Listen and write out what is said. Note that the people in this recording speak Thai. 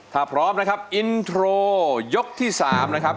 ถ้าพร้อมนะครับอินโทรยกที่๓นะครับ